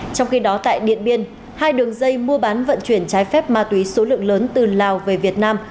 trong khi đó tại điện biên hai đường dây mua bán vận chuyển trái phép ma túy số lượng lớn từ lào về việt nam